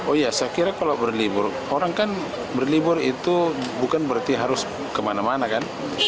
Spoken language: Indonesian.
oh iya saya kira kalau berlibur orang kan berlibur itu bukan berarti harus kemana mana kan